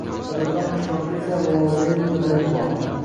Qadrdon qishloqda esa volidayu-padarim bor.